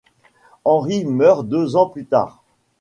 Henri meurt deux ans plus tard.